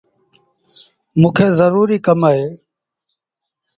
موݩ کي زروري ڪم اهي۔